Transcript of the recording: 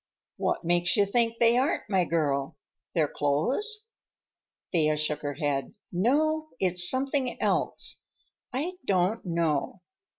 "What makes you think they aren't, my girl? Their clothes?" Thea shook her head. "No, it's something else. I don't know."